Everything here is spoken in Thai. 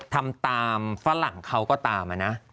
ทำตามฝรั่งเขาก็ตามนะ